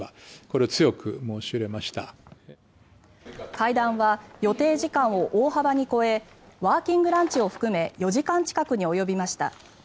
会談は予定時間を大幅に超えワーキングランチを含め４時間近くに及びました。